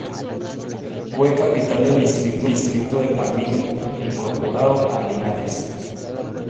Fue capital del antiguo distrito de Palmilla, hoy incorporado a Linares.